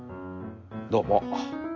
どうも。